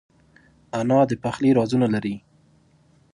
انا د پخلي رازونه لري